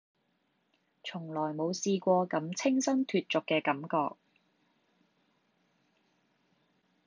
從來冇試過咁清新脫俗嘅感覺